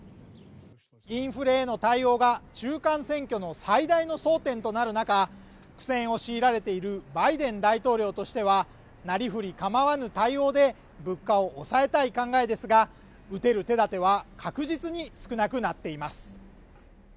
インフレへの対応が中間選挙の最大の争点となる中苦戦を強いられているバイデン大統領としてはなりふり構わぬ対応で物価を抑えたい考えですが打てる手立ては確実に少なくなっています